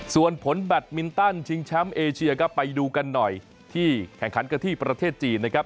ส่วนผลแบตมินตันชิงแชมป์เอเชียครับไปดูกันหน่อยที่แข่งขันกันที่ประเทศจีนนะครับ